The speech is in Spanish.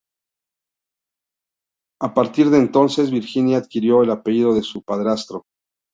A partir de entonces Virginia adquirió el apellido de su padrastro.